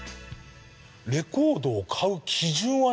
レコードを買う基準は何？